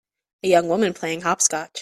A young woman playing hopscotch